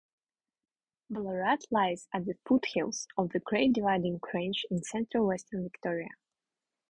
Ballarat lies at the foothills of the Great Dividing Range in Central Western Victoria.